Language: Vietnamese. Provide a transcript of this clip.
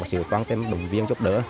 và sự quan tâm đồng viên giúp đỡ